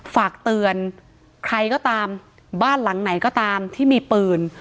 ฝากเตือนใครก็ตามบ้านหลังไหนก็ตามที่มีปืน